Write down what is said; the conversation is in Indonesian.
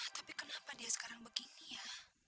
tapi kenapa dia sekarang begini ya